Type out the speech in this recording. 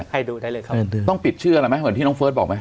ให้ดูได้เลยครับต้องปิดชื่ออะไรไหมเหมือนที่น้องเฟิร์สบอกไหม